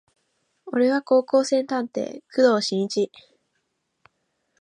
俺は高校生探偵工藤新一